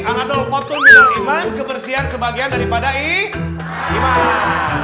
angadol fortun imang kebersihan sebagian daripada iman